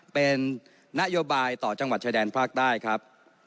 เป็นนโยบายต่อจังหวัดชายแดนภาคใต้ครับ